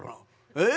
えっ？